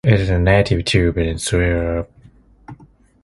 It is native to Venezuela.